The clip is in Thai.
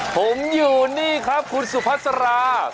ผมอยู่นี่ครับคุณสุภาษณ์สลาค